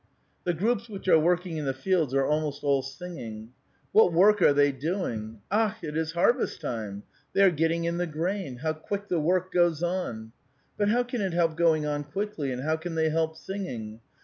The groups which are working in the fields are almost all singing. What work are they doing? Akh^ it is harvest time. They are getting in the grain. How quick the work goes on ! But how can it help going on quickly, and how can they help singing?